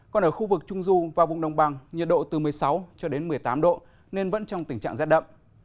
còn ở khu vực trung du và vùng đông băng nhiệt độ từ một mươi sáu một mươi tám độ nên vẫn trong tình trạng rét đậm